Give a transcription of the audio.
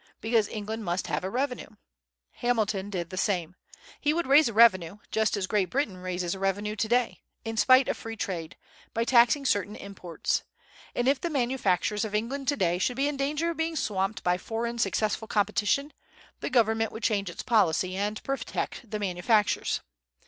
Because England must have a revenue. Hamilton did the same. He would raise a revenue, just as Great Britain raises a revenue to day, in spite of free trade, by taxing certain imports. And if the manufactures of England to day should be in danger of being swamped by foreign successful competition, the Government would change its policy, and protect the manufactures.